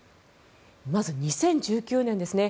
まず２０１９年ですね。